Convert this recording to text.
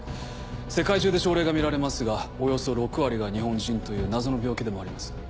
世界中で症例が見られますがおよそ６割が日本人という謎の病気でもあります。